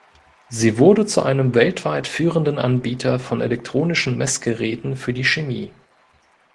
Sie wurde zu einem weltweit führenden Anbieter von elektronischen Messgeräten für die Chemie.